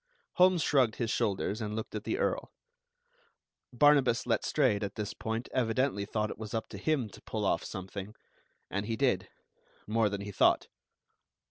Holmes shrugged his shoulders, and looked at the Earl. Barnabas Letstrayed at this point evidently thought it was up to him to pull off something; and he did, more than he thought.